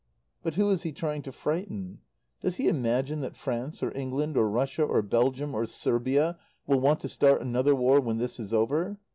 But who is he trying to frighten? Does he imagine that France, or England, or Russia or Belgium, or Serbia, will want to start another war when this is over?